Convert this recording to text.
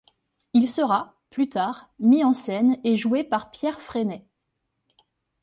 Il sera, plus tard, mis en scène et joué par Pierre Fresnay.